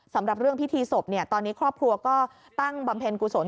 สำหรับเรื่องพิธีศพตอนนี้ครอบครัวก็ตั้งบำเพ็ญกุศล